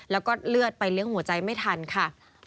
แล้วก็เลือดไปเลี้ยงหัวใจไม่ทันค่ะ